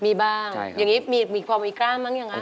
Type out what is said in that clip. มีบ้างอย่างนี้มีพอมีกล้ามมั้งอย่างนี้ฮะ